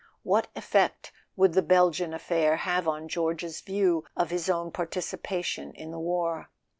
What effect would the Belgian affair have on George's view of his own participation in the war?